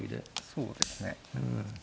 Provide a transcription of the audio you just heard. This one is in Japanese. そうですね。